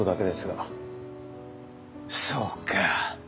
そうか。